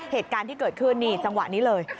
เหตุการณ์ที่เกิดขึ้นนี่จังหวะนี้เลย